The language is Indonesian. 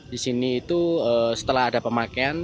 disini itu setelah ada pemakaian